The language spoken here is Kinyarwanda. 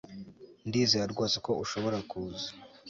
Ndizera rwose ko ushobora kuza